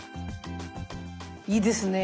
いいですね。